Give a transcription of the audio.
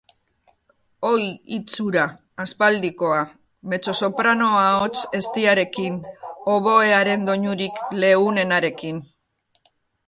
Oi, hitz hura, aspaldikoa, mezzosoprano-ahots eztiarekin, oboearen doinurik leunenarekin.